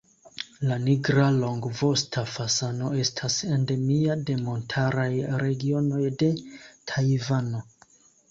La Nigra longvosta fazano estas endemia de montaraj regionoj de Tajvano.